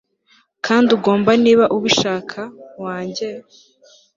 Kandi ugomba niba ubishaka wange